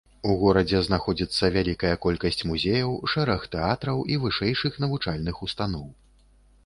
У горадзе знаходзіцца вялікая колькасць музеяў, шэраг тэатраў і вышэйшых навучальных устаноў.